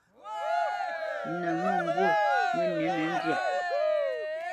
Nə̌ məmbu mənʉ̌nə ndyâ,